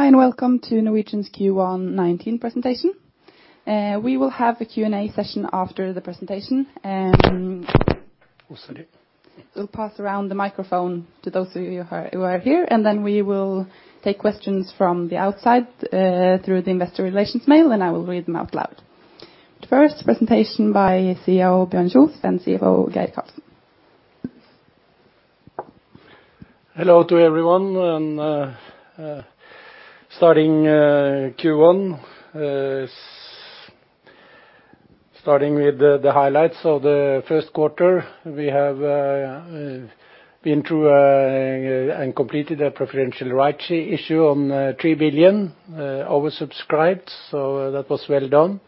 Hi, welcome to Norwegian's Q1 2019 presentation. We will have a Q&A session after the presentation. Also here We'll pass around the microphone to those of you who are here, and then we will take questions from the outside through the Investor Relations mail, and I will read them out loud. First, presentation by CEO Bjørn Kjos and CFO Geir Karlsen. Hello to everyone, and starting Q1. Starting with the highlights of the first quarter. We have been through and completed a preferential rights issue on 3 billion oversubscribed, that was well done.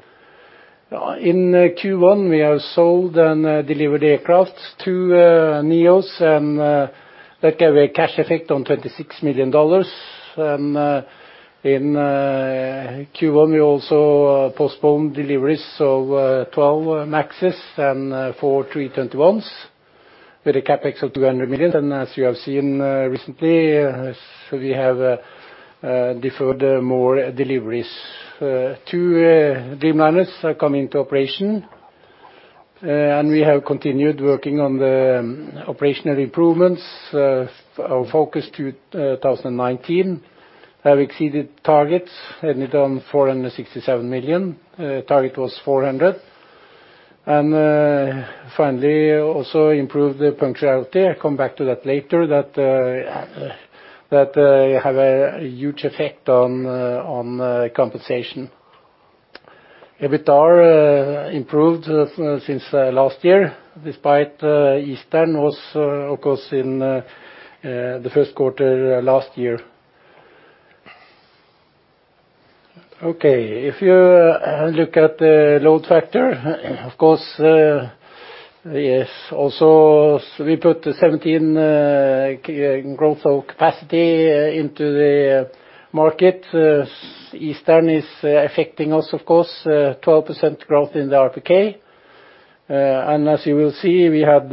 In Q1, we have sold and delivered aircraft, two Neos, and that gave a cash effect on $26 million. In Q1, we also postponed deliveries of 12 MAXs and four A321s with a CapEx of 200 million, and as you have seen recently, we have deferred more deliveries. Two Dreamliners are coming into operation, and we have continued working on the operational improvements. Our Focus 2019 have exceeded targets, ended on 467 million. Target was 400 million. Finally, also improved the punctuality. I'll come back to that later, that have a huge effect on compensation. EBITDAR improved since last year, despite Easter was, of course, in the first quarter last year. If you look at the load factor, of course. We put the 17% growth of capacity into the market. Easter is affecting us, of course, 12% growth in the RPK. As you will see, we had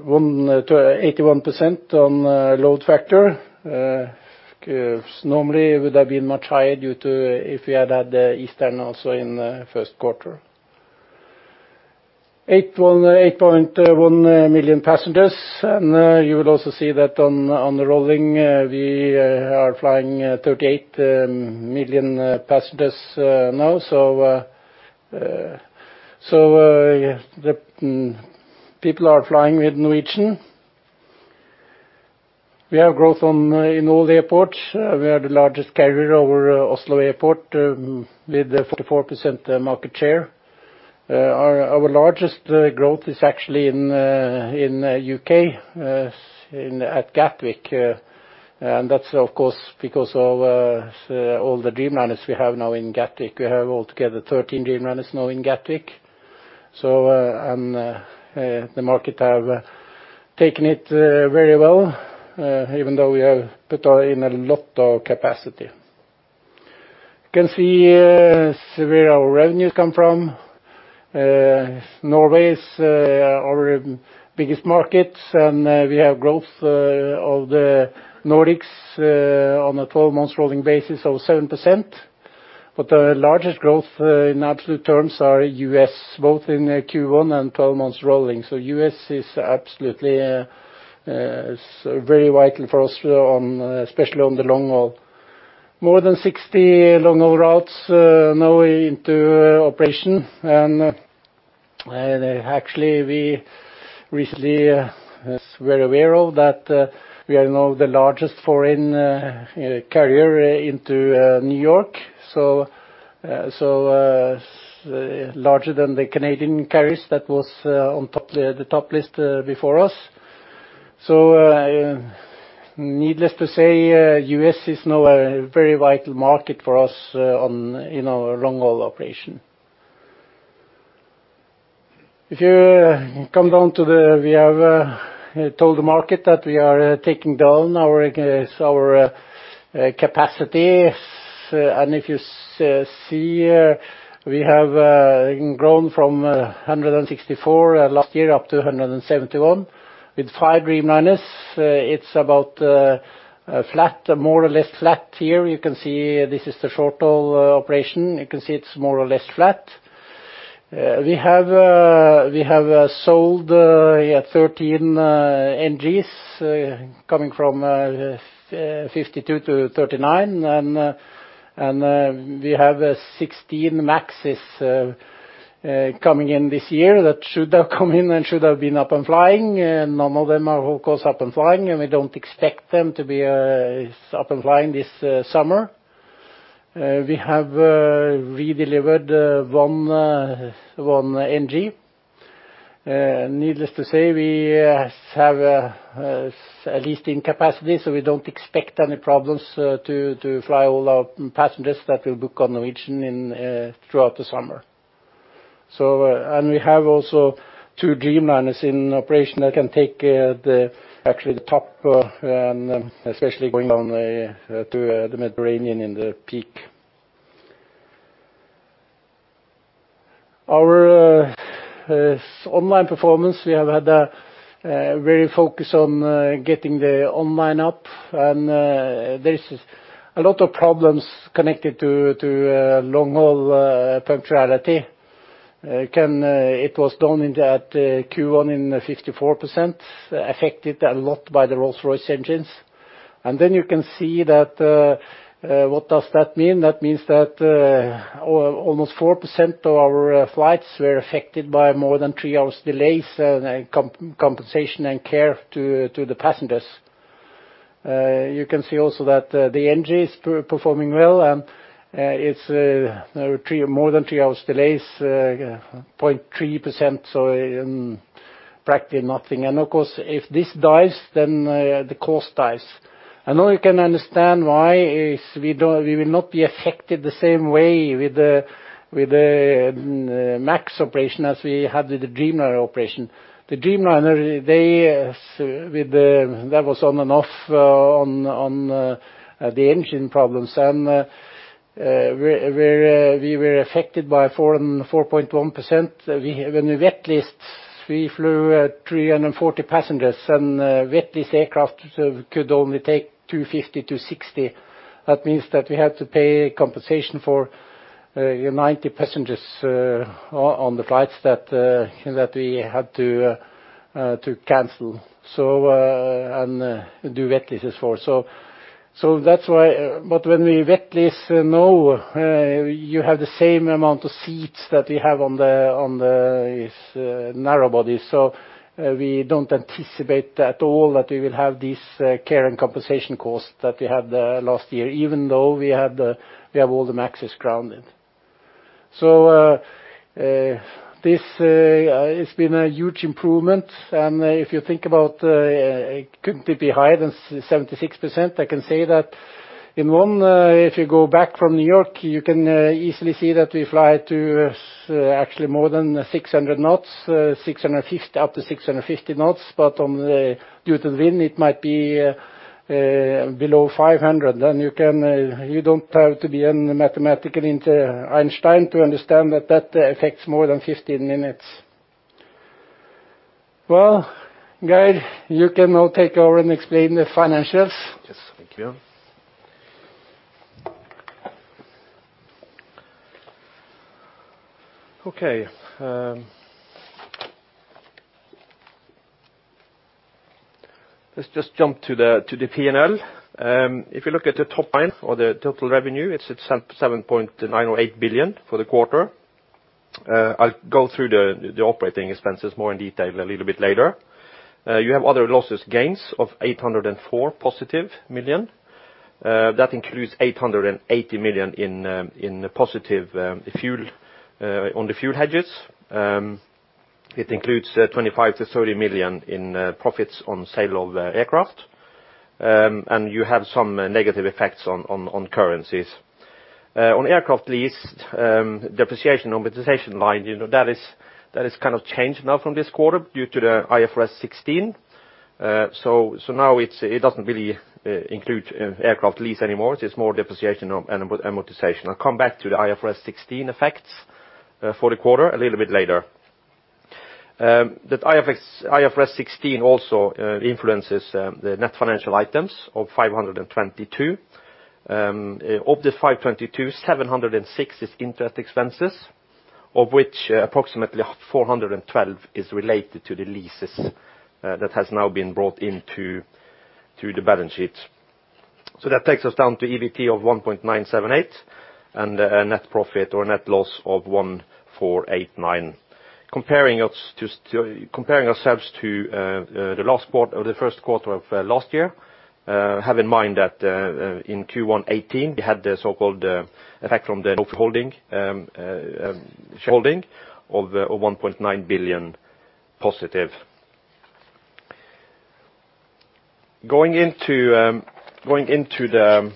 81% on load factor. Normally it would have been much higher if we had had Easter also in the first quarter. 8.1 million passengers. You will also see that on the rolling, we are flying 38 million passengers now. The people are flying with Norwegian. We have growth in all the airports. We are the largest carrier over Oslo Airport with 44% market share. Our largest growth is actually in U.K. at Gatwick. That's, of course, because of all the Dreamliners we have now in Gatwick. We have altogether 13 Dreamliners now in Gatwick. The market have taken it very well, even though we have put in a lot of capacity. You can see where our revenues come from. Norway is our biggest market. We have growth of the Nordics on a 12 months rolling basis of 7%. The largest growth in absolute terms are U.S., both in Q1 and 12 months rolling. U.S. is absolutely very vital for us, especially on the long haul. More than 60 long haul routes now into operation. We recently were aware of that we are now the largest foreign carrier into New York, larger than the Canadian carriers that was on the top list before us. Needless to say, U.S. is now a very vital market for us in our long haul operation. If you come down to the, we have told the market that we are taking down our capacity. If you see here, we have grown from 164 last year up to 171 with five Dreamliners. It's about more or less flat here. You can see this is the short haul operation. You can see it's more or less flat. We have sold 13 NGs, coming from 52 to 39. We have 16 MAXs coming in this year that should have come in and should have been up and flying. None of them are, of course, up and flying. We don't expect them to be up and flying this summer. We have redelivered one NG. Needless to say, we have a leasing capacity. We don't expect any problems to fly all our passengers that will book on Norwegian throughout the summer. We have also two Dreamliners in operation that can take, actually, the top, especially going down to the Mediterranean in the peak. Our on-time performance, we have had a real focus on getting the on-time up. There is a lot of problems connected to long-haul punctuality. It was down in Q1 in 54%, affected a lot by the Rolls-Royce engines. You can see that, what does that mean? That means that almost 4% of our flights were affected by more than three hours delays, compensation and care to the passengers. You can see also that the NG is performing well. It's more than three hours delays, 0.3%, practically nothing. If this dies, the cost dies. Now you can understand why is we will not be affected the same way with the MAX operation as we had with the Dreamliner operation. The Dreamliner, that was on and off on the engine problems, and we were affected by 4.1%. When we wet lease, we flew 340 passengers, and wet lease aircraft could only take 250-260. That means that we had to pay compensation for 90 passengers on the flights that we had to cancel and do wet leases for. When we wet lease now, you have the same amount of seats that we have on these narrow bodies. We don't anticipate at all that we will have this care and compensation cost that we had last year, even though we have all the MAXs grounded. This has been a huge improvement, and if you think about it couldn't be higher than 76%. I can say that in one, if you go back from New York, you can easily see that we fly to actually more than 600 knots, up to 650 knots. But due to the wind, it might be below 500 knots. You don't have to be a mathematical Einstein to understand that that affects more than 15 minutes. Well, Geir, you can now take over and explain the financials. Yes, thank you. Okay. Let's just jump to the P&L. If you look at the top line or the total revenue, it's at 7.908 billion for the quarter. I'll go through the operating expenses more in detail a little bit later. You have other losses, gains of 804 positive million. That includes 880 million in positive on the fuel hedges. It includes 25 million-30 million in profits on sale of aircraft. You have some negative effects on currencies. On aircraft lease depreciation amortization line, that is kind of changed now from this quarter due to the IFRS 16. Now it doesn't really include aircraft lease anymore. It's more depreciation and amortization. I'll come back to the IFRS 16 effects for the quarter a little bit later. That IFRS 16 also influences the net financial items of 522. Of the 522, 706 is interest expenses, of which approximately 412 is related to the leases that has now been brought into the balance sheet. That takes us down to EBT of 1,978 and a net profit or net loss of 1,489. Comparing ourselves to the first quarter of last year, have in mind that in Q1 2018, we had the so-called effect from the holding of NOK 1.9 billion positive. Going into the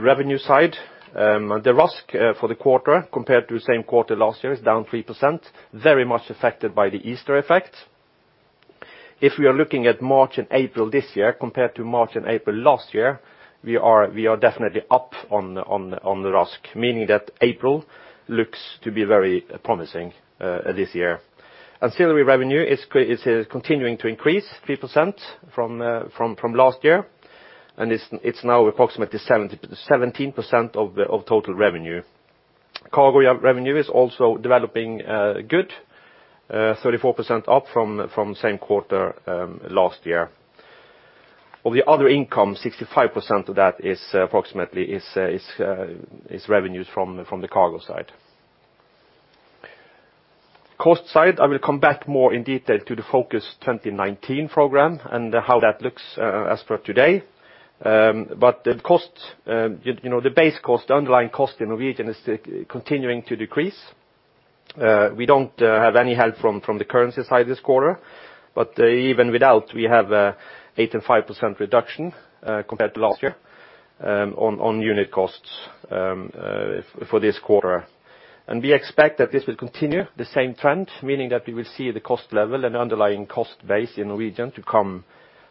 revenue side. The RASK for the quarter compared to the same quarter last year is down 3%, very much affected by the Easter effect. If we are looking at March and April this year compared to March and April last year, we are definitely up on the RASK, meaning that April looks to be very promising this year. Ancillary revenue is continuing to increase 3% from last year, and it's now approximately 17% of total revenue. Cargo revenue is also developing good, 34% up from same quarter last year. Of the other income, 65% of that is approximately revenues from the cargo side. The cost side, I will come back more in detail to the Focus 2019 program and how that looks as for today. The base cost, underlying cost in Norwegian is continuing to decrease. We don't have any help from the currency side this quarter, but even without, we have 85% reduction compared to last year on unit costs for this quarter. We expect that this will continue the same trend, meaning that we will see the cost level and underlying cost base in Norwegian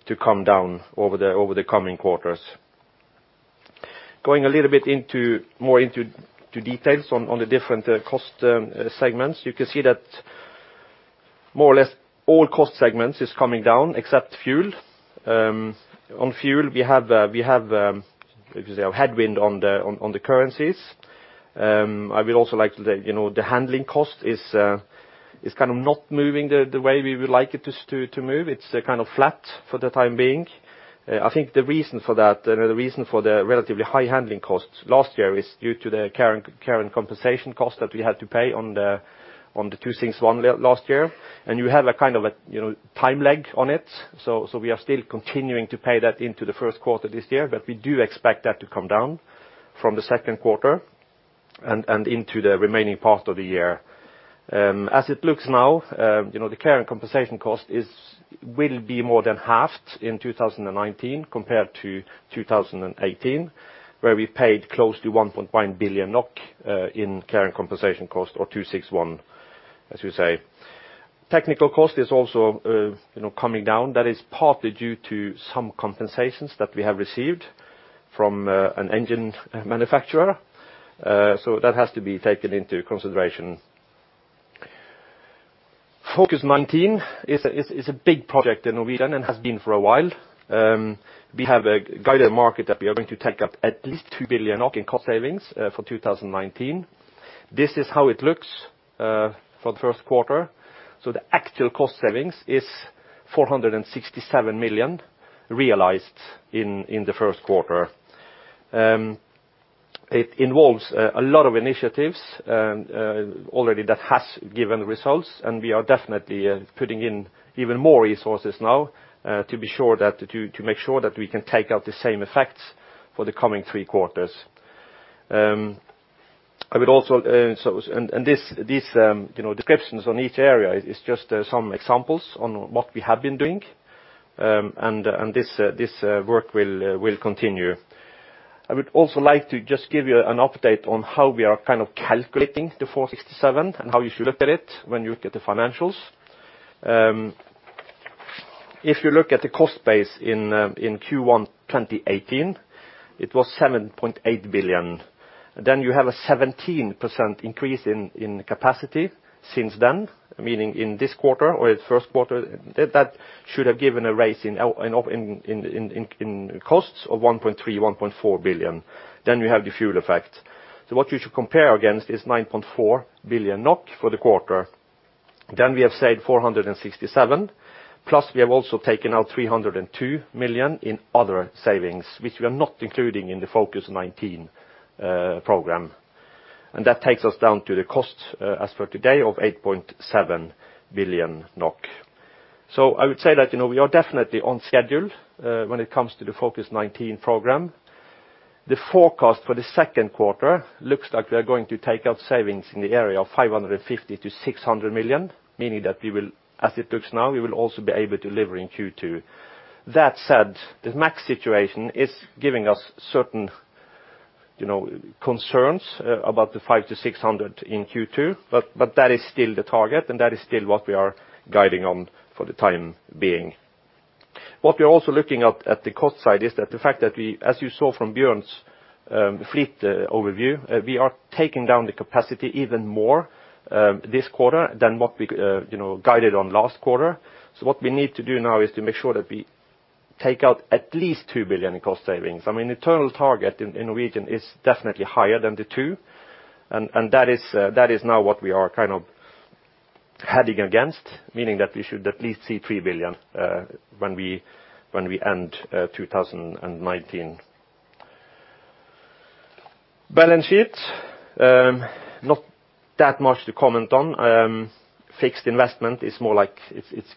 to come down over the coming quarters. Going a little bit more into details on the different cost segments. You can see that more or less all cost segments is coming down except fuel. On fuel, we have a headwind on the currencies. I will also like to say, the handling cost is not moving the way we would like it to move. It's flat for the time being. I think the reason for the relatively high handling costs last year is due to the care and compensation cost that we had to pay on the EU261 last year. You have a time lag on it, so we are still continuing to pay that into the first quarter this year. We do expect that to come down from the second quarter and into the remaining part of the year. As it looks now, the care and compensation cost will be more than halved in 2019 compared to 2018, where we paid close to 1.1 billion NOK in care and compensation cost or EU261, as we say. Technical cost is also coming down. That is partly due to some compensations that we have received from an engine manufacturer. That has to be taken into consideration. Focus '19 is a big project in Norwegian and has been for a while. We have a guided market that we are going to take up at least 2 billion in cost savings for 2019. This is how it looks for the first quarter. The actual cost savings is 467 million realized in the first quarter. It involves a lot of initiatives already that has given results, we are definitely putting in even more resources now to make sure that we can take out the same effects for the coming three quarters. These descriptions on each area is just some examples on what we have been doing, this work will continue. I would also like to just give you an update on how we are calculating the 467 million and how you should look at it when you look at the financials. If you look at the cost base in Q1 2018, it was 7.8 billion. You have a 17% increase in capacity since then, meaning in this quarter or the first quarter, that should have given a raise in costs of 1.3 billion, 1.4 billion. We have the fuel effect. What you should compare against is 9.4 billion NOK for the quarter. We have saved 467 million, plus we have also taken out 302 million in other savings, which we are not including in the Focus '19 program. That takes us down to the cost as for today of 8.7 billion NOK. I would say that we are definitely on schedule when it comes to the Focus 2019 program. The forecast for the second quarter looks like we are going to take out savings in the area of 550 million-600 million, meaning that as it looks now, we will also be able to deliver in Q2. That said, the MAX situation is giving us certain concerns about the 500 million-600 million in Q2, but that is still the target and that is still what we are guiding on for the time being. We are also looking at at the cost side is that the fact that as you saw from Bjørn's fleet overview, we are taking down the capacity even more this quarter than what we guided on last quarter. What we need to do now is to make sure that we take out at least 2 billion in cost savings. I mean, the total target in Norwegian is definitely higher than the 2 billion, and that is now what we are heading against, meaning that we should at least see 3 billion when we end 2019. Balance sheet. Not that much to comment on. Fixed investment, it's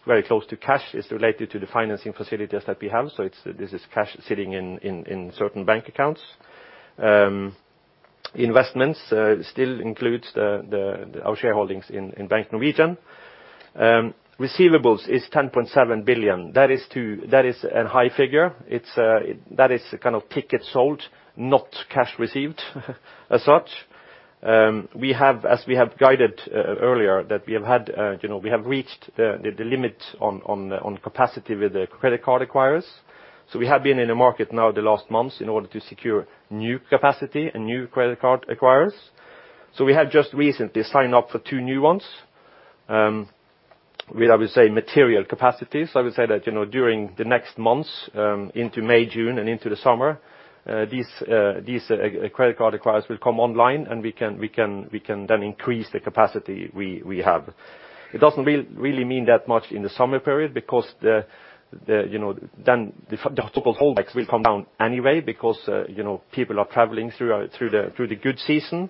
very close to cash. It's related to the financing facilities that we have. This is cash sitting in certain bank accounts. Investments still includes our shareholdings in Bank Norwegian. Receivables is 10.7 billion. That is a high figure. That is a ticket sold, not cash received as such. As we have guided earlier, that we have reached the limit on capacity with the credit card acquirers. We have been in the market now the last months in order to secure new capacity and new credit card acquirers. We have just recently signed up for two new ones. I would say material capacity. I would say that during the next months into May, June, and into the summer, these credit card acquirers will come online and we can then increase the capacity we have. It doesn't really mean that much in the summer period because then the holdbacks will come down anyway because people are traveling through the good season.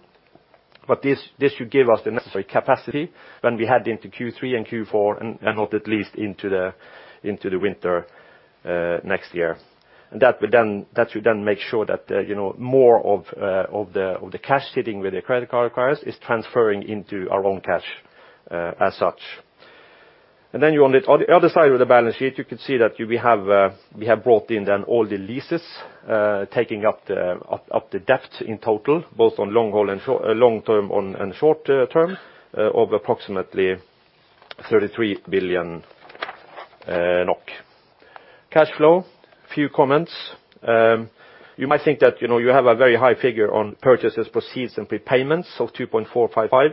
This should give us the necessary capacity when we head into Q3 and Q4, and not at least into the winter next year. That should make sure that more of the cash sitting with the credit card acquirers is transferring into our own cash as such. On the other side of the balance sheet, you can see that we have brought in then all the leases taking up the debt in total, both on long-term and short-term of approximately 33 billion. Cash flow, a few comments. You might think that you have a very high figure on purchases, proceeds, and prepayments of 2.455 billion.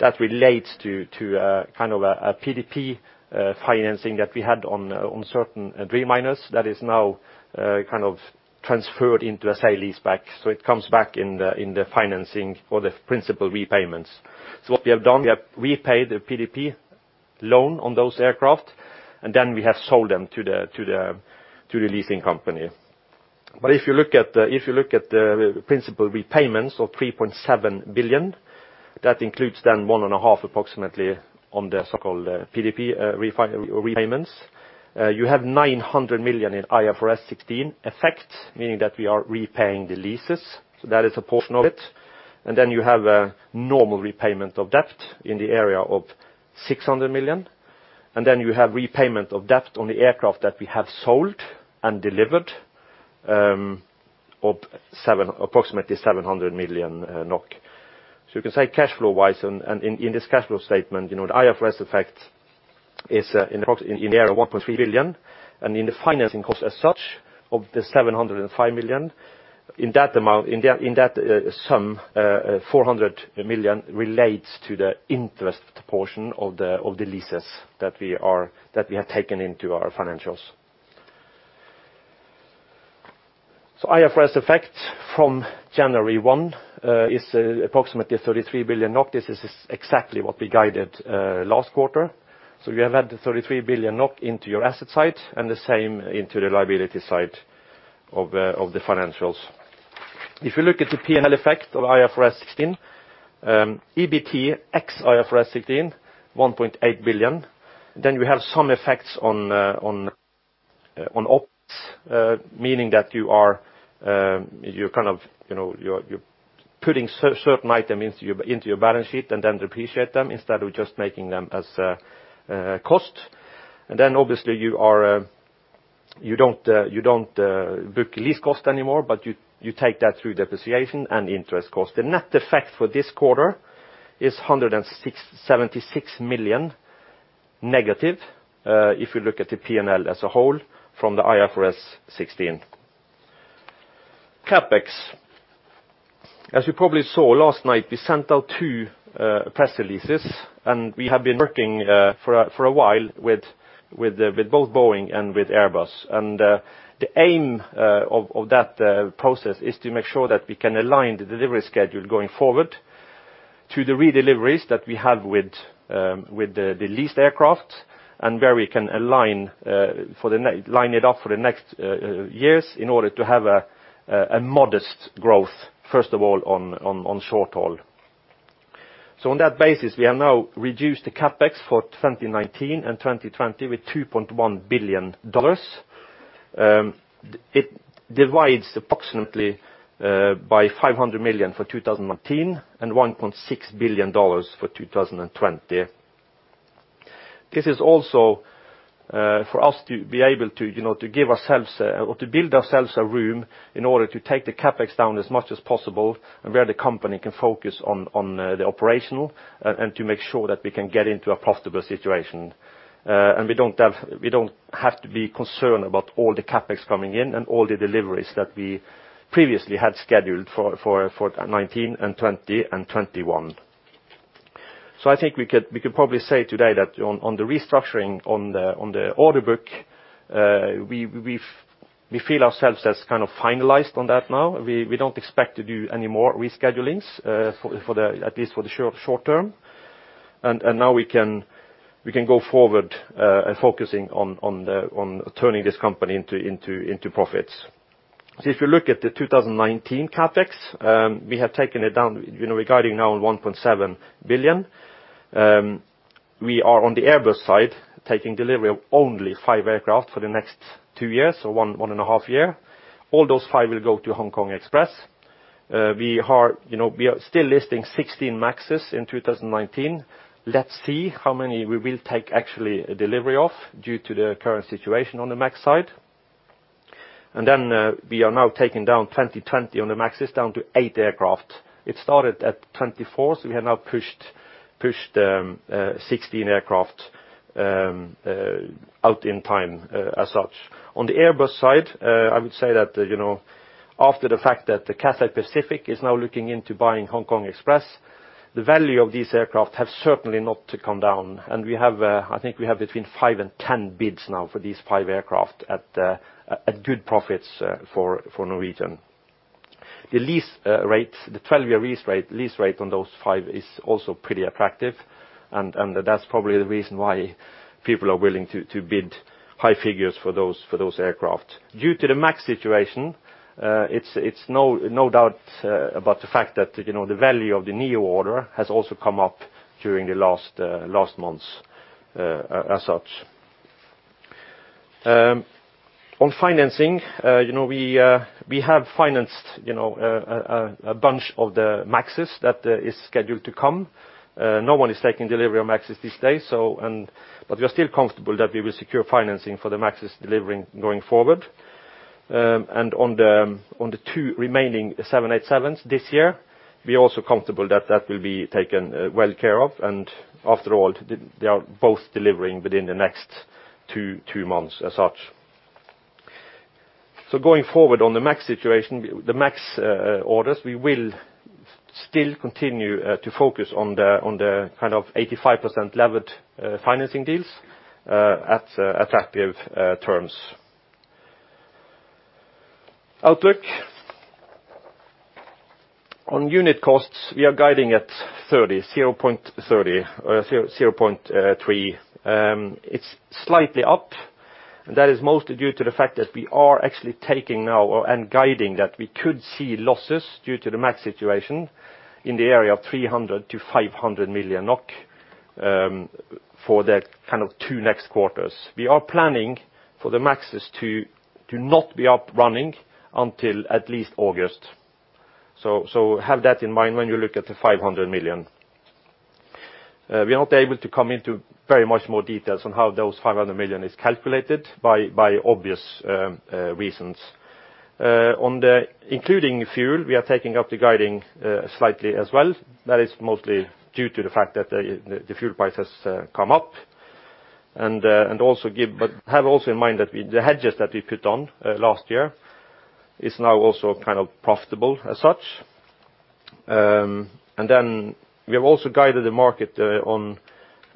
That relates to a PDP financing that we had on certain Dreamliners that is now transferred into a sale-leaseback. It comes back in the financing for the principal repayments. What we have done, we have repaid the PDP loan on those aircraft, and then we have sold them to the leasing company. If you look at the principal repayments of 3.7 billion, that includes then one and a half approximately on the so-called PDP repayments. You have 900 million in IFRS 16 effect, meaning that we are repaying the leases. That is a portion of it. You have a normal repayment of debt in the area of 600 million. You have repayment of debt on the aircraft that we have sold and delivered of approximately 700 million NOK. You can say cash flow-wise, and in this cash flow statement, the IFRS effect is in the area of 1.3 billion. In the financing cost as such, of the 705 million, in that sum, 400 million relates to the interest portion of the leases that we have taken into our financials. IFRS effect from January 1 is approximately 33 billion NOK. This is exactly what we guided last quarter. You have had the 33 billion NOK into your asset side and the same into the liability side of the financials. If you look at the P&L effect of IFRS 16, EBT ex IFRS 16, 1.8 billion. We have some effects on ops, meaning that you're putting certain items into your balance sheet and then depreciate them instead of just making them as a cost. Obviously you don't book lease cost anymore, but you take that through depreciation and interest cost. The net effect for this quarter is 176 million negative, if you look at the P&L as a whole from the IFRS 16. CapEx. As you probably saw last night, we sent out two press releases, and we have been working for a while with both Boeing and with Airbus. The aim of that process is to make sure that we can align the delivery schedule going forward to the redeliveries that we have with the leased aircraft and where we can line it up for the next years in order to have a modest growth, first of all, on short haul. On that basis, we have now reduced the CapEx for 2019 and 2020 with NOK 2.1 billion. It divides approximately by 500 million for 2019 and NOK 1.6 billion for 2020. This is also for us to be able to build ourselves a room in order to take the CapEx down as much as possible and where the company can focus on the operational and to make sure that we can get into a profitable situation. We don't have to be concerned about all the CapEx coming in and all the deliveries that we previously had scheduled for 2019 and 2020 and 2021. I think we could probably say today that on the restructuring on the order book, we feel ourselves as finalized on that now. We don't expect to do any more schedulings, at least for the short term. Now we can go forward focusing on turning this company into profits. If you look at the 2019 CapEx, we have taken it down, regarding now 1.7 billion. We are on the Airbus side, taking delivery of only five aircraft for the next two years or one and a half year. All those five will go to HK Express. We are still listing 16 MAXs in 2019. Let's see how many we will take actually delivery of due to the current situation on the MAX side. We are now taking down 2020 on the MAXs down to eight aircraft. It started at 24, so we have now pushed 16 aircraft out in time as such. On the Airbus side, I would say that after the fact that Cathay Pacific is now looking into buying Hong Kong Express, the value of these aircraft have certainly not come down. I think we have between five and 10 bids now for these five aircraft at good profits for Norwegian. The 12-year lease rate on those five is also pretty attractive, and that's probably the reason why people are willing to bid high figures for those aircraft. Due to the MAX situation, it's no doubt about the fact that the value of the neo order has also come up during the last months as such. On financing, we have financed a bunch of the MAXs that is scheduled to come. No one is taking delivery of MAXs these days, but we are still comfortable that we will secure financing for the MAXs delivering going forward. On the two remaining 787s this year, we are also comfortable that that will be taken well care of. After all, they are both delivering within the next two months as such. Going forward on the MAX orders, we will still continue to focus on the 85% levered financing deals at attractive terms. Outlook. On unit costs, we are guiding at 30, 0.3. It's slightly up, that is mostly due to the fact that we are actually taking now and guiding that we could see losses due to the MAX situation in the area of 300 million-500 million NOK for the two next quarters. We are planning for the MAXs to not be up running until at least August. Have that in mind when you look at the 500 million. We are not able to come into very much more details on how those 500 million is calculated, by obvious reasons. On the including fuel, we are taking up the guiding slightly as well. That is mostly due to the fact that the fuel price has come up. Have also in mind that the hedges that we put on last year is now also profitable as such. We have also guided the market on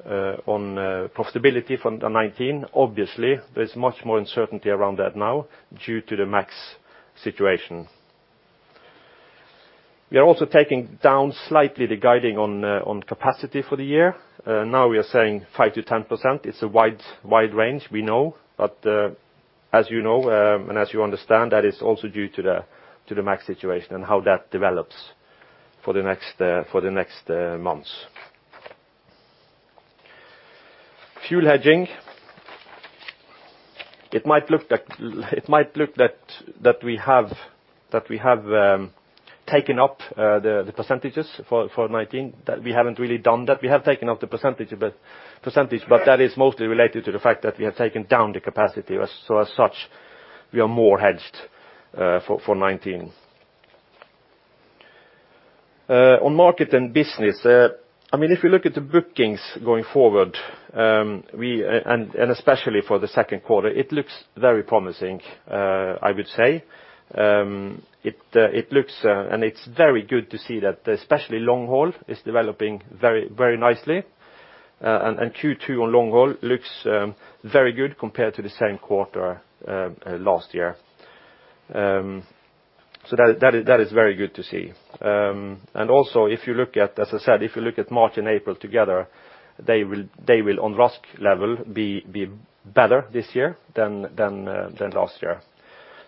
profitability from the 2019. Obviously, there's much more uncertainty around that now due to the MAX situation. We are also taking down slightly the guiding on capacity for the year. Now we are saying 5%-10%. It's a wide range, we know. As you know and as you understand, that is also due to the MAX situation and how that develops for the next months. Fuel hedging. It might look that we have taken up the percentages for 2019, that we haven't really done that. We have taken up the percentage, that is mostly related to the fact that we have taken down the capacity. As such, we are more hedged for 2019. On market and business. If you look at the bookings going forward, especially for the second quarter, it looks very promising, I would say. It looks and it's very good to see that especially long haul is developing very nicely. Q2 on long haul looks very good compared to the same quarter last year. That is very good to see. Also, as I said, if you look at March and April together, they will on RASK level be better this year than last year.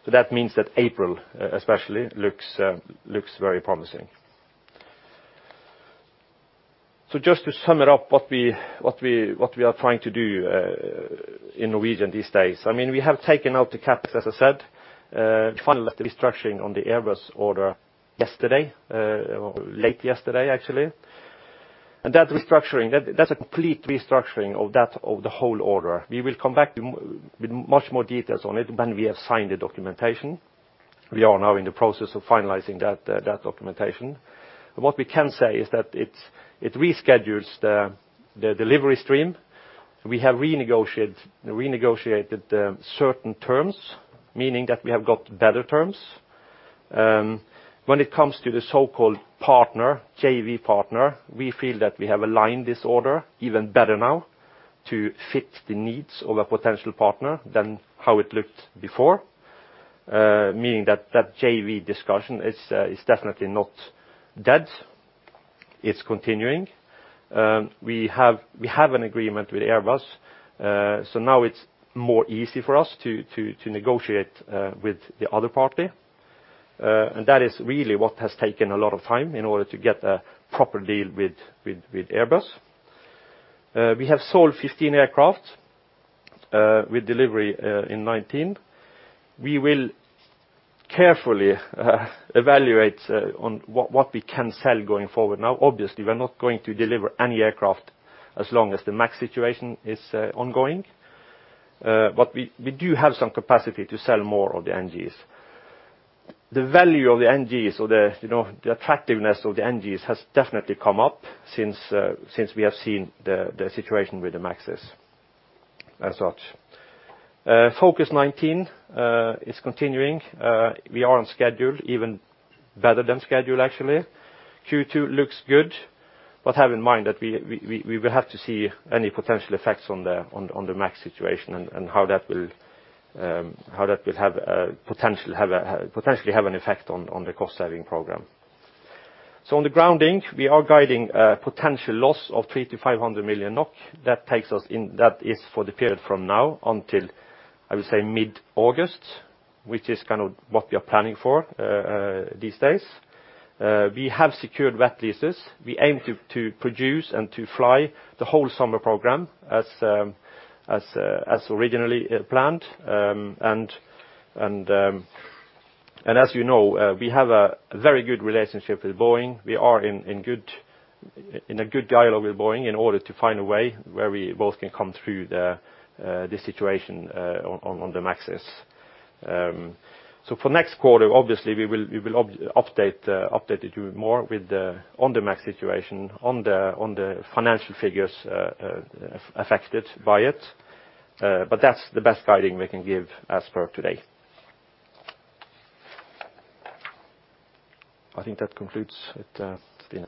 That means that April especially looks very promising. Just to sum it up, what we are trying to do in Norwegian these days. We have taken out the CapEx, as I said. We finalized the restructuring on the Airbus order yesterday, or late yesterday, actually. That restructuring, that's a complete restructuring of the whole order. We will come back with much more details on it when we have signed the documentation. We are now in the process of finalizing that documentation. What we can say is that it reschedules the delivery stream. We have renegotiated certain terms, meaning that we have got better terms. When it comes to the so-called partner, JV partner, we feel that we have aligned this order even better now to fit the needs of a potential partner than how it looked before. Meaning that that JV discussion is definitely not dead. It's continuing. We have an agreement with Airbus. Now it's more easy for us to negotiate with the other party. That is really what has taken a lot of time in order to get a proper deal with Airbus. We have sold 15 aircraft with delivery in 2019. We will carefully evaluate on what we can sell going forward. Now, obviously, we are not going to deliver any aircraft as long as the MAX situation is ongoing. We do have some capacity to sell more of the NGs. The value of the NGs or the attractiveness of the NGs has definitely come up since we have seen the situation with the MAXs, as such. Focus 2019 is continuing. We are on schedule, even better than schedule, actually. Q2 looks good, have in mind that we will have to see any potential effects on the MAX situation and how that will potentially have an effect on the cost-saving program. On the grounding, we are guiding a potential loss of 300 million-500 million NOK. That is for the period from now until, I would say, mid-August, which is what we are planning for these days. We have secured wet leases. We aim to produce and to fly the whole summer program as originally planned. As you know, we have a very good relationship with Boeing. We are in a good dialogue with Boeing in order to find a way where we both can come through this situation on the MAXs. For next quarter, obviously we will update you more on the MAX situation, on the financial figures affected by it. That's the best guiding we can give as for today. I think that concludes it, Stine. Any questions? We'll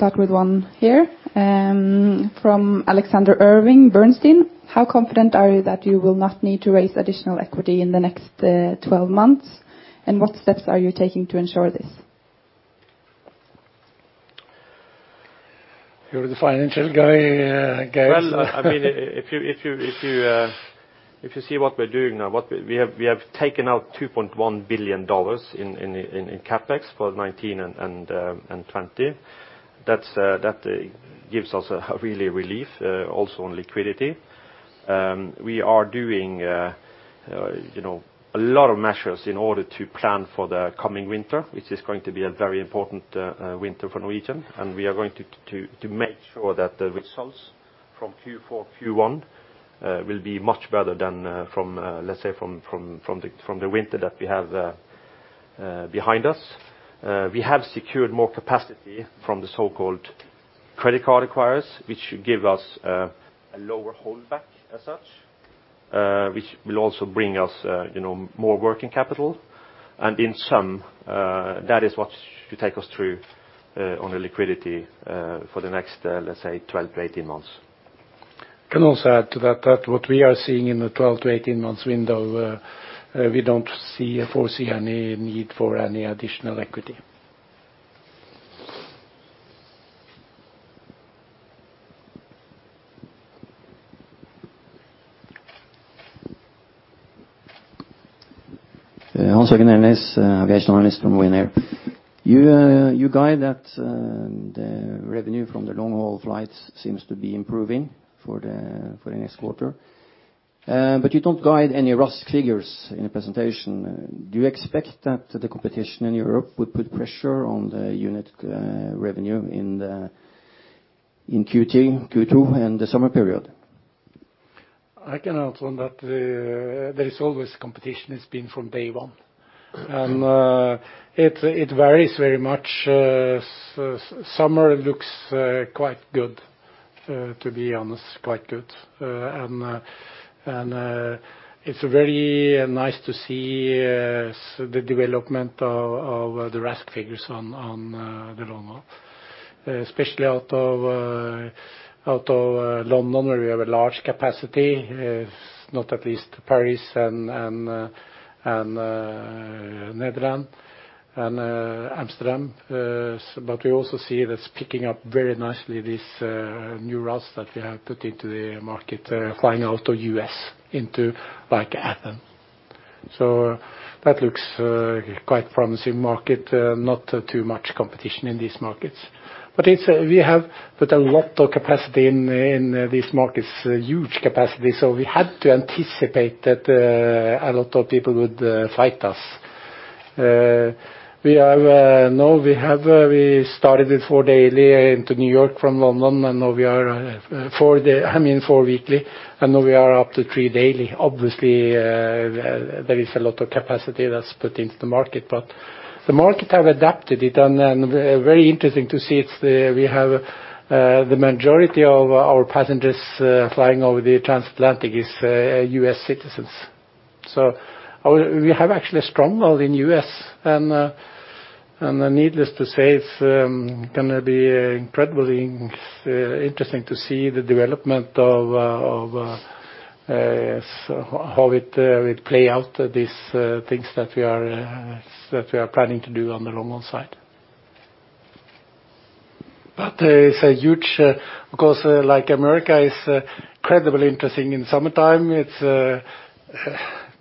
start with one here from Alex Irving, Bernstein. How confident are you that you will not need to raise additional equity in the next 12 months? What steps are you taking to ensure this? You're the financial guy, Geir. If you see what we're doing now, we have taken out NOK 2.1 billion in CapEx for 2019 and 2020. That gives us a relief also on liquidity. We are doing a lot of measures in order to plan for the coming winter, which is going to be a very important winter for Norwegian. We are going to make sure that the results from Q4, Q1, will be much better than from, let's say, from the winter that we have behind us. We have secured more capacity from the so-called credit card acquirers, which should give us a lower holdback as such, which will also bring us more working capital. In sum, that is what should take us through on the liquidity for the next, let's say, 12 to 18 months. Can also add to that, what we are seeing in the 12 to 18 months window, we don't foresee any need for any additional equity. Hans-Jørgen Elnæs, Aviation Analyst from Winair. You guide that the revenue from the long-haul flights seems to be improving for the next quarter. You don't guide any RASK figures in the presentation. Do you expect that the competition in Europe would put pressure on the unit revenue in Q2 and the summer period? I can add on that. There is always competition, it's been from day one. It varies very much. Summer looks quite good, to be honest, quite good. It's very nice to see the development of the RASK figures on the long haul. Especially out of London, where we have a large capacity, not at least Paris and Netherlands and Amsterdam. We also see that's picking up very nicely, these new routes that we have put into the market, flying out of U.S. into like Athens. That looks quite promising market. Not too much competition in these markets. We have put a lot of capacity in these markets, huge capacity. We had to anticipate that a lot of people would fight us. We started with four daily into New York from London. I mean four weekly, now we are up to three daily. There is a lot of capacity that's put into the market, the market have adapted it and very interesting to see. We have the majority of our passengers flying over the transatlantic is U.S. citizens. We have actually a stronghold in U.S. and needless to say, it's going to be incredibly interesting to see the development of how it will play out, these things that we are planning to do on the long haul side. It's huge because America is incredibly interesting in summertime.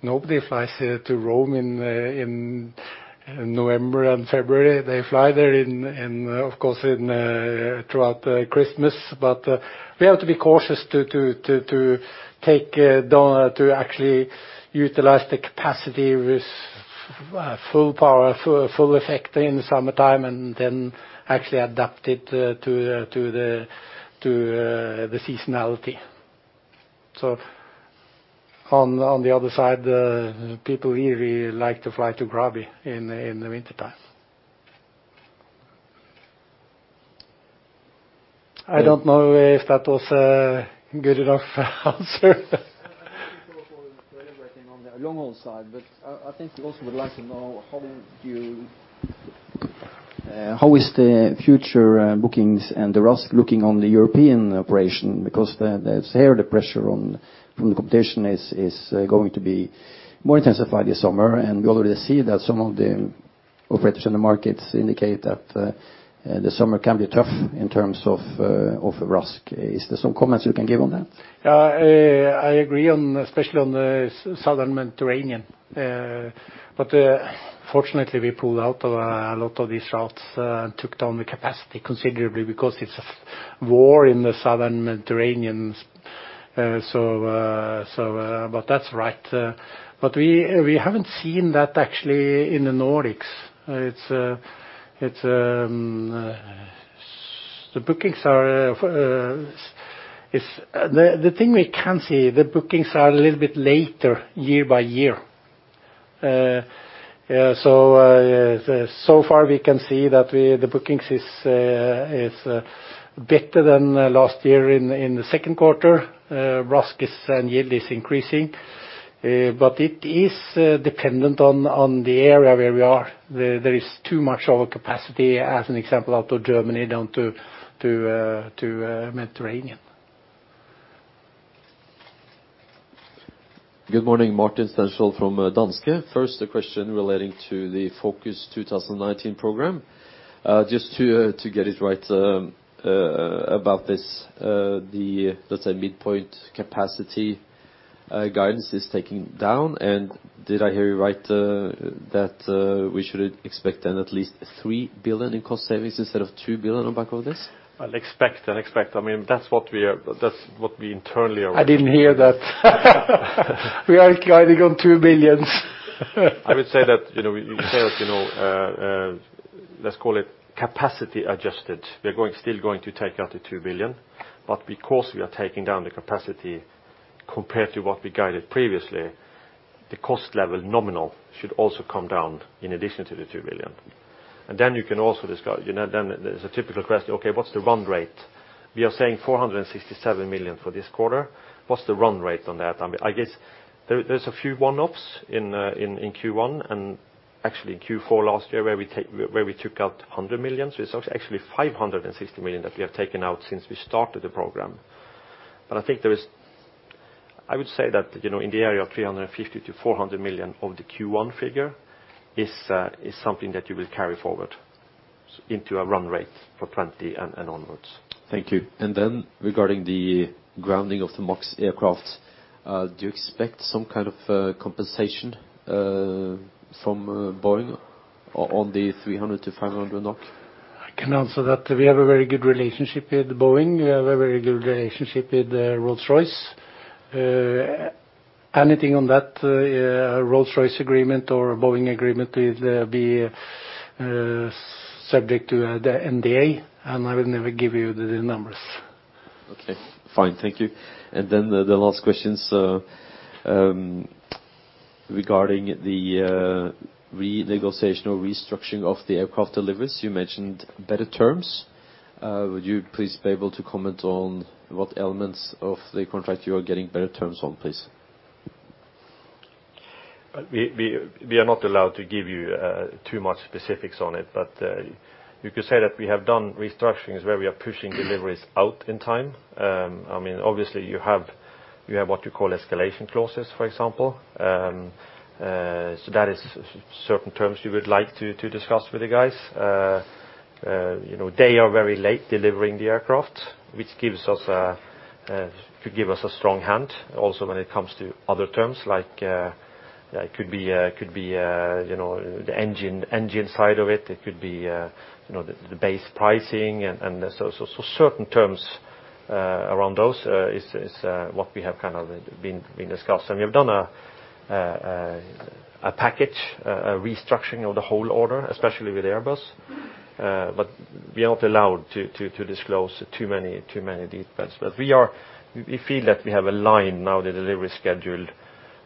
Nobody flies to Rome in November and February. They fly there of course throughout Christmas. We have to be cautious to actually utilize the capacity with full power, full effect in the summertime and then actually adapt it to the seasonality. On the other side, people really like to fly to [Grabby] in the wintertime. I don't know if that was a good enough answer. I think you talked already about everything on the long haul side, but I think we also would like to know how is the future bookings and the RASK looking on the European operation, because here the pressure from the competition is going to be more intensified this summer. We already see that some of the operators in the markets indicate that the summer can be tough in terms of RASK. Is there some comments you can give on that? Yeah, I agree on, especially on the Southern Mediterranean. Fortunately, we pulled out of a lot of these routes and took down the capacity considerably because it's a war in the Southern Mediterranean. That's right. We haven't seen that actually in the Nordics. The thing we can see, the bookings are a little bit later year by year. Far we can see that the bookings is better than last year in the second quarter. RASK and yield is increasing. It is dependent on the area where we are. There is too much over capacity as an example out of Germany down to Mediterranean. Good morning, Martin Stenshol from Danske Bank. First a question relating to the Focus 2019 program. Just to get it right about this, let's say midpoint capacity guidance is taking down, and did I hear you right, that we should expect an at least 3 billion in cost savings instead of 2 billion on back of this? I'll expect. That's what we internally are- I didn't hear that. We are guiding on 2 billion. I would say that, you heard, let's call it capacity adjusted. We're still going to take out the 2 billion, but because we are taking down the capacity compared to what we guided previously, the cost level nominal should also come down in addition to the 2 billion. You can also discuss, there's a typical question, okay, what's the run rate? We are saying 467 million for this quarter. What's the run rate on that? I guess there's a few one-offs in Q1 and actually Q4 last year where we took out 100 million. It's actually 560 million that we have taken out since we started the program. I would say that, in the area of 350 million-400 million of the Q1 figure is something that you will carry forward into a run rate for 2020 and onwards. Thank you. Regarding the grounding of the MAX aircraft, do you expect some kind of compensation from Boeing on the 300-500 NOK? I can answer that. We have a very good relationship with Boeing. We have a very good relationship with Rolls-Royce. Anything on that Rolls-Royce agreement or Boeing agreement will be subject to the NDA, I will never give you the numbers. Okay, fine. Thank you. The last questions, regarding the renegotiation or restructuring of the aircraft deliveries. You mentioned better terms. Would you please be able to comment on what elements of the contract you are getting better terms on, please? We are not allowed to give you too much specifics on it. You could say that we have done restructurings where we are pushing deliveries out in time. Obviously, you have what you call escalation clauses, for example. That is certain terms we would like to discuss with the guys. They are very late delivering the aircraft, which could give us a strong hand also when it comes to other terms like, it could be the engine side of it could be the base pricing and so certain terms around those is what we have kind of been discussed. We have done a package, a restructuring of the whole order, especially with Airbus. We are not allowed to disclose too many details. We feel that we have aligned now the delivery schedule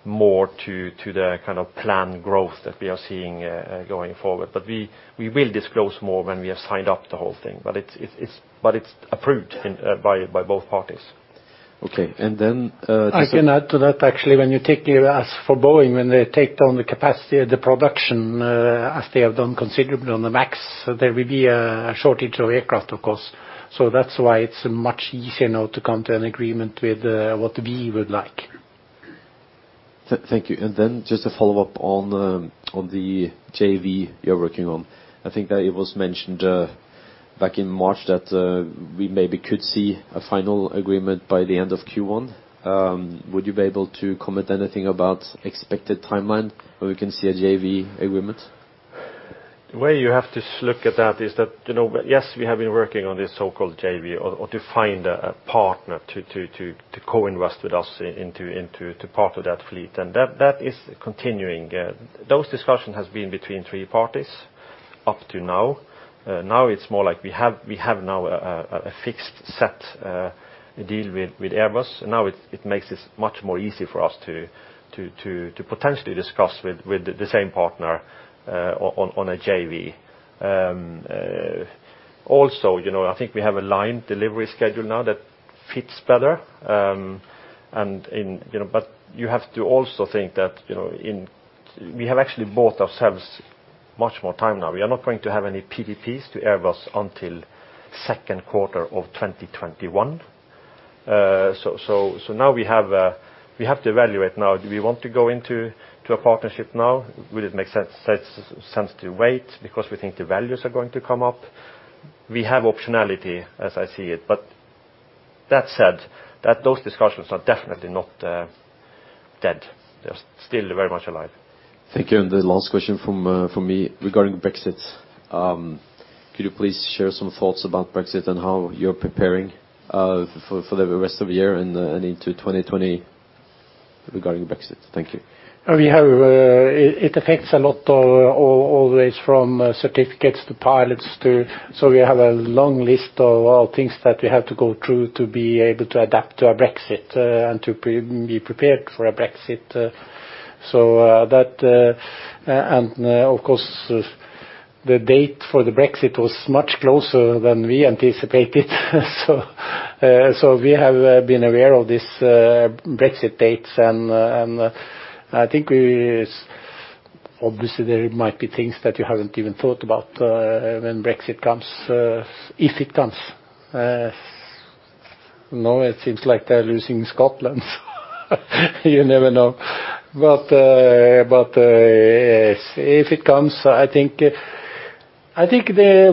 more to the kind of planned growth that we are seeing going forward. We will disclose more when we have signed up the whole thing. It's approved by both parties. Okay. I can add to that, actually, when you take, as for Boeing, when they take down the capacity, the production, as they have done considerably on the MAX, there will be a shortage of aircraft, of course. That's why it's much easier now to come to an agreement with what we would like. Thank you. Just a follow-up on the JV you're working on. I think that it was mentioned back in March that we maybe could see a final agreement by the end of Q1. Would you be able to comment anything about expected timeline where we can see a JV agreement? The way you have to look at that is that, yes, we have been working on this so-called JV or to find a partner to co-invest with us into part of that fleet. That is continuing. Those discussion has been between three parties up to now. It's more like we have now a fixed set deal with Airbus, it makes this much more easy for us to potentially discuss with the same partner on a JV. I think we have aligned delivery schedule now that fits better. You have to also think that we have actually bought ourselves much more time now. We are not going to have any PDPs to Airbus until second quarter of 2021. Now we have to evaluate now, do we want to go into a partnership now? Would it make sense to wait because we think the values are going to come up? We have optionality as I see it. That said, those discussions are definitely not dead. They're still very much alive. Thank you. The last question from me regarding Brexit. Could you please share some thoughts about Brexit and how you're preparing for the rest of the year and into 2020 regarding Brexit? Thank you. We have a long list of all things that we have to go through to be able to adapt to a Brexit and to be prepared for a Brexit. Of course, the date for the Brexit was much closer than we anticipated. We have been aware of these Brexit dates and I think, obviously, there might be things that you haven't even thought about when Brexit comes, if it comes. It seems like they're losing Scotland. You never know. If it comes, I think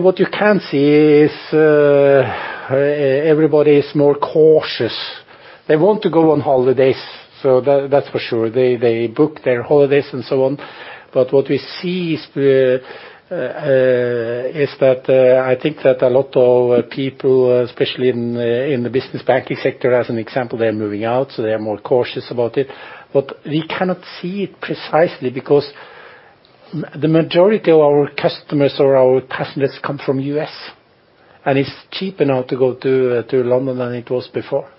what you can see is everybody is more cautious. They want to go on holidays, that's for sure. They book their holidays and so on. What we see is that I think that a lot of people, especially in the business banking sector, as an example, they're moving out, so they are more cautious about it. We cannot see it precisely because the majority of our customers or our passengers come from U.S., and it's cheap enough to go to London than it was before.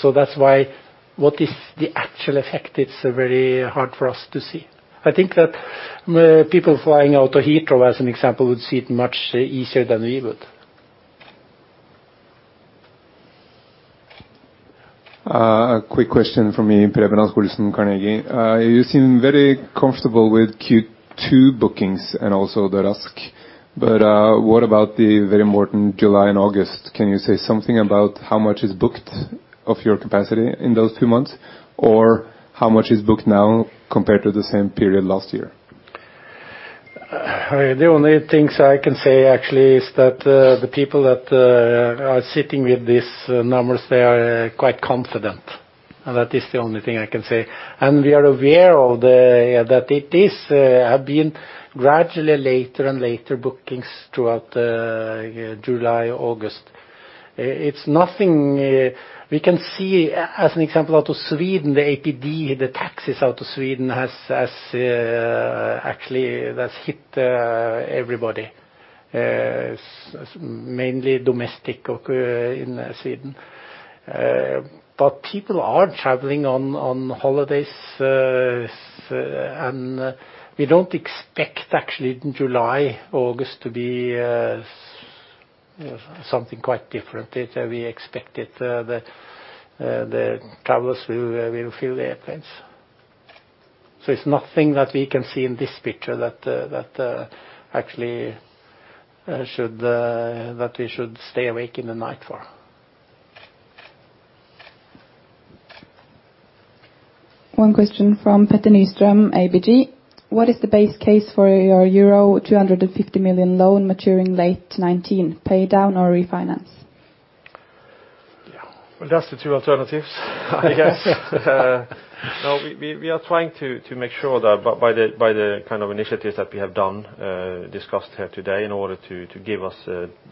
That's why what is the actual effect? It's very hard for us to see. I think that people flying out of Heathrow, as an example, would see it much easier than we would. A quick question from me, Preben Alfsgaard, Carnegie. You seem very comfortable with Q2 bookings and also the RASK. What about the very important July and August? Can you say something about how much is booked of your capacity in those two months? How much is booked now compared to the same period last year? The only things I can say, actually, is that the people that are sitting with these numbers, they are quite confident. That is the only thing I can say. We are aware that have been gradually later and later bookings throughout July, August. We can see, as an example, out of Sweden, the APD, the taxes out of Sweden has actually hit everybody. Mainly domestic in Sweden. People are traveling on holidays. We don't expect, actually, in July, August, to be something quite different. We expect that the travelers will fill the airplanes. It's nothing that we can see in this picture that we should stay awake in the night for. One question from Petter Nystrøm, ABG. What is the base case for your euro 250 million loan maturing late 2019, pay down or refinance? Yeah. Well, that's the two alternatives, I guess. We are trying to make sure that by the kind of initiatives that we have done, discussed here today, in order to give us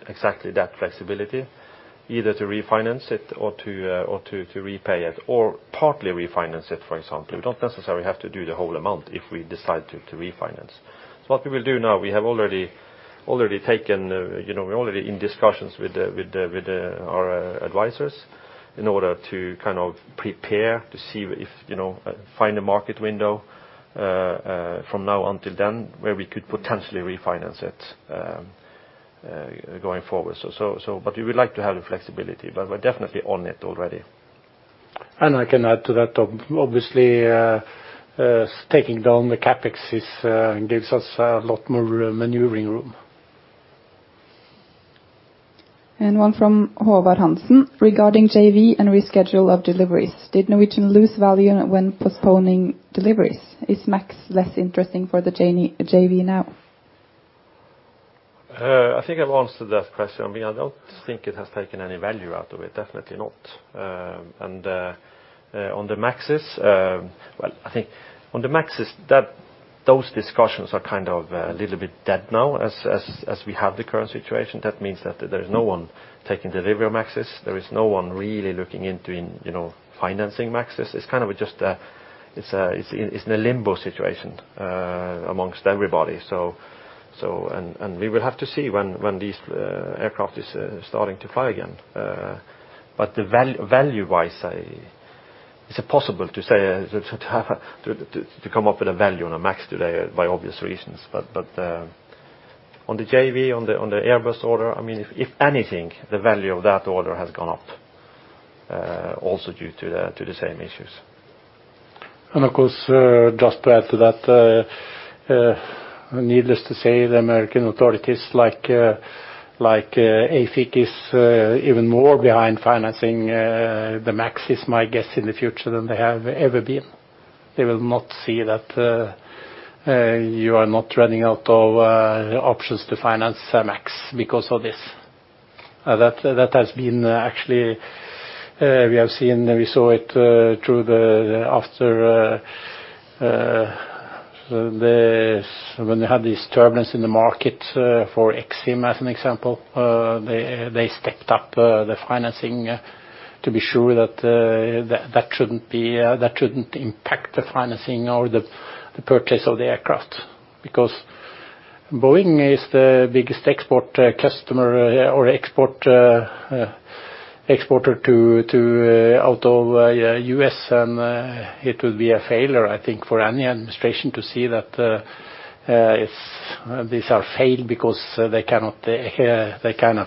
exactly that flexibility, either to refinance it or to repay it, or partly refinance it, for example. We don't necessarily have to do the whole amount if we decide to refinance. What we will do now, we're already in discussions with our advisors in order to prepare to see if, find a market window from now until then, where we could potentially refinance it going forward. We would like to have the flexibility. We're definitely on it already. I can add to that, obviously taking down the CapEx gives us a lot more maneuvering room. One from Håvard Hansen. Regarding JV and reschedule of deliveries, did Norwegian lose value when postponing deliveries? Is MAX less interesting for the JV now? I think I've answered that question. I don't think it has taken any value out of it, definitely not. On the MAXs, those discussions are kind of a little bit dead now as we have the current situation. That means that there's no one taking delivery of MAXs. There is no one really looking into financing MAXs. It's in a limbo situation amongst everybody. We will have to see when this aircraft is starting to fly again. Value-wise, it's impossible to come up with a value on a MAX today, by obvious reasons. On the JV, on the Airbus order, if anything, the value of that order has gone up, also due to the same issues. Of course, just to add to that, needless to say, the American authorities like AFIC is even more behind financing the MAXs, my guess, in the future than they have ever been. They will not see that you are not running out of options to finance MAX because of this. That has been actually, we have seen, we saw it through when they had this turbulence in the market for EXIM, as an example. They stepped up the financing to be sure that shouldn't impact the financing or the purchase of the aircraft. Because Boeing is the biggest export customer or exporter out of U.S., and it will be a failure, I think, for any administration to see that these are failed because they cannot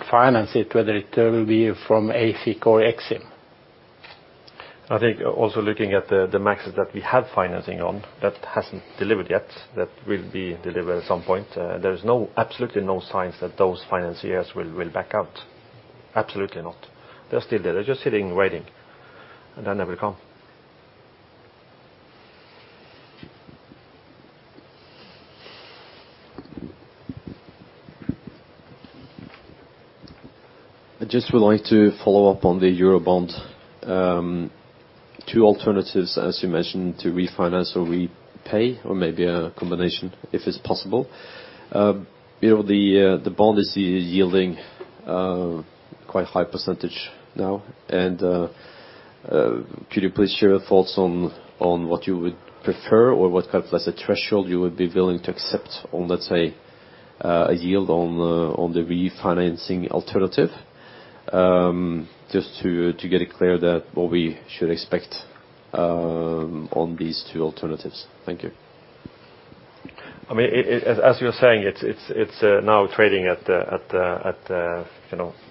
finance it, whether it will be from AFIC or EXIM. I think also looking at the MAX that we have financing on that hasn't delivered yet, that will be delivered at some point. There's absolutely no signs that those financiers will back out. Absolutely not. They're still there. They're just sitting, waiting, and then they will come. I just would like to follow up on the Eurobond. Two alternatives, as you mentioned, to refinance or repay, or maybe a combination if it's possible. The bond is yielding quite high % now. Could you please share your thoughts on what you would prefer or what kind of, let's say, threshold you would be willing to accept on, let's say, a yield on the refinancing alternative? Just to get it clear that what we should expect on these two alternatives. Thank you. As you're saying, it's now trading at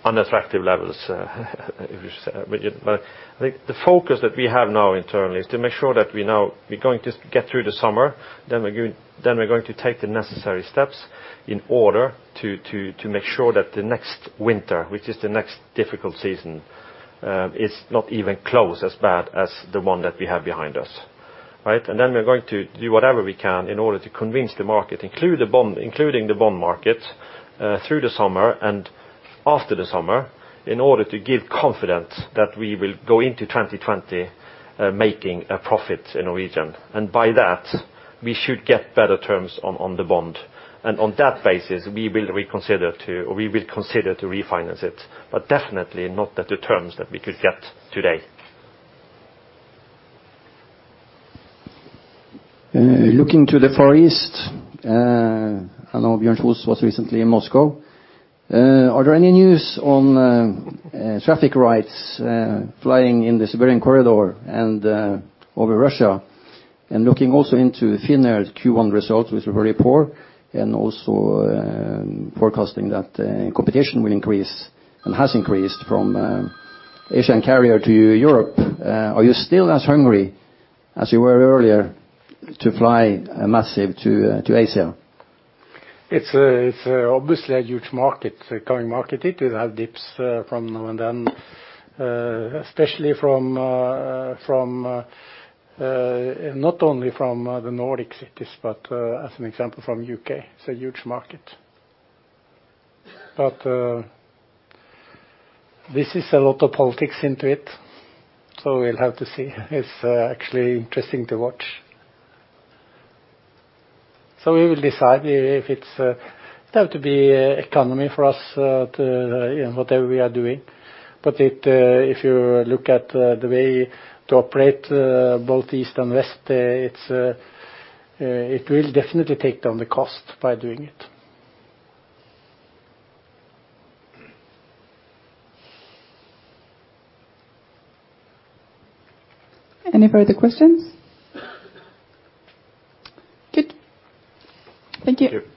unattractive levels if you say. I think the focus that we have now internally is to make sure that we now, we're going to get through the summer, we're going to take the necessary steps in order to make sure that the next winter, which is the next difficult season, is not even close as bad as the one that we have behind us. Right? We're going to do whatever we can in order to convince the market, including the bond market, through the summer and after the summer in order to give confidence that we will go into 2020 making a profit in Norwegian. By that, we should get better terms on the bond. On that basis, we will consider to refinance it, but definitely not at the terms that we could get today. Looking to the Far East, I know Bjørn Kjos was recently in Moscow. Are there any news on traffic rights flying in the Siberian corridor and over Russia? Looking also into Finnair's Q1 results, which were very poor, also forecasting that competition will increase, and has increased from Asian carrier to Europe. Are you still as hungry as you were earlier to fly massive to Asia? It's obviously a huge market, growing market. It will have dips from now and then. Especially from, not only from the Nordic cities, but as an example, from U.K. It's a huge market. This is a lot of politics into it, so we'll have to see. It's actually interesting to watch. We will decide It have to be economy for us to, whatever we are doing. If you look at the way to operate both East and West, it will definitely take down the cost by doing it. Any further questions? Good. Thank you.